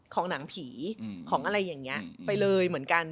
ของหนังผีของอะไรอย่างนี้ไปเลยเหมือนกัน